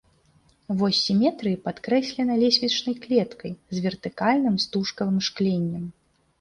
Вось сіметрыі падкрэслена лесвічнай клеткай з вертыкальным стужкавым шкленнем.